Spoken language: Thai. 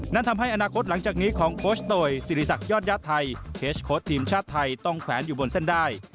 นั้นทำให้อนาคตหลังจากนี้ของโคชโตยสิริษักยอดญาติไทยเคสโค้ดทีมชาติไทยต้องแขวนอยู่บนเส้นได้